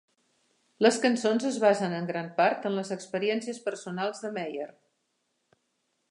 Les cançons es basen en gran part en les experiències personals de Mayer.